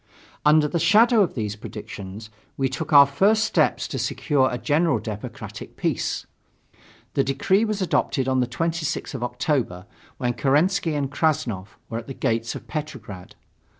Under the shadow of these predictions we took our first steps to secure a general democratic peace. The decree was adopted on the 26th of October, when Kerensky and Krassnov were at the gates of Petrograd.